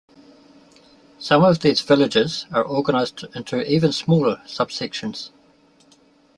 Some of these villages are organized into even smaller subsections.